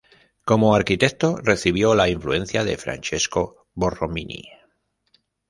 Como arquitecto, recibió la influencia de Francesco Borromini.